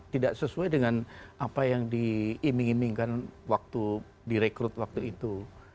tidak sesuai dengan apa yang diiming imingkan waktu direkrut waktu itu